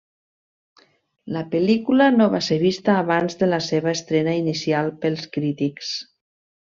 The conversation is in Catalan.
La pel·lícula no va ser vista abans de la seva estrena inicial pels crítics.